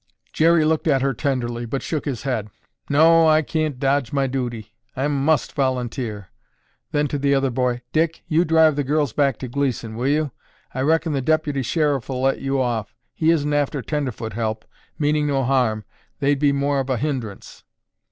Jerry looked at her tenderly, but shook his head. "No, I cain't dodge my duty. I must volunteer!" Then, to the other boy, "Dick, you drive the girls back to Gleeson, will you? I reckon the Deputy Sheriff'll let you off. He isn't after tenderfoot help, meaning no harm, they'd be more of a hindrance."